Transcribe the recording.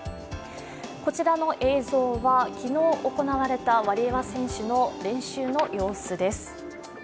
こちらの映像は昨日行われたワリエワ選手の練習の様子です。